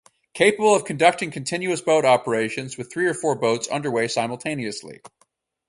Capable of conducting continuous boat operations with three or four boats underway simultaneously.